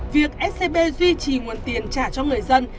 việc scb duy trì nguồn tiền trả cho người dân